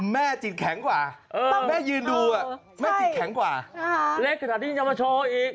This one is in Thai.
แม่จิตแข็งกว่าแม่ยืนดูแม่จิตแข็งกว่าเล็กขนาดนี้ยังจะมาโชว์อีก